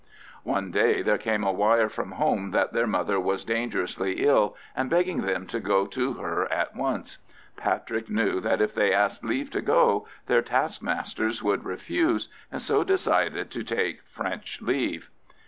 One day there came a wire from home that their mother was dangerously ill, and begging them to go to her at once. Patrick knew that if they asked leave to go, their taskmasters would refuse, and so decided to take "French leave."